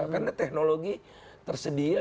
karena teknologi tersedia